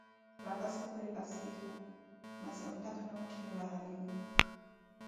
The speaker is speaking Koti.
Raphassi khuri kâssila, maassi ontaka na kuthane vahaline?